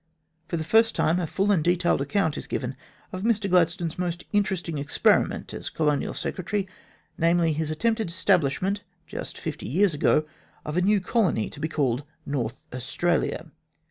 For the first time a full and detailed account is given of Mr Gladstone's most interesting experiment as Colonial Secretary, namely, his attempted establishment, just fifty years ago, of a new colony to be called North Australia.